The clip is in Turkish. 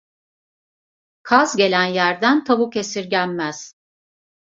Kaz gelen yerden tavuk esirgenmez.